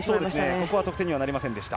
ここは得点にはなりませんでした。